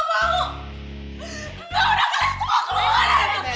enggak udah kalian semua keluar dari sini